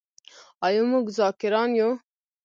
آیا موږ ذاکران یو؟